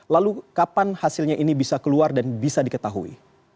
lalu kapan hasilnya ini bisa keluar dan bisa diketahui